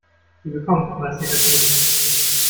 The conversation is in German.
Sie bekommt, was sie verdient.